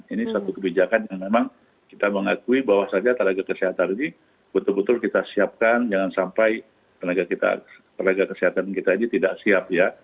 ini satu kebijakan yang memang kita mengakui bahwa saja tenaga kesehatan ini betul betul kita siapkan jangan sampai tenaga kesehatan kita ini tidak siap ya